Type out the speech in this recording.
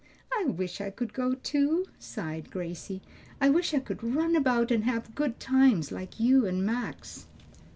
"I wish I could go too!" sighed Gracie. "I wish I could run about and have good times like you and Max!"